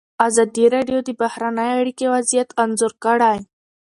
ازادي راډیو د بهرنۍ اړیکې وضعیت انځور کړی.